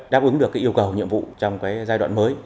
đáp ứng được cái yêu cầu nhiệm vụ trong cái giai đoạn mới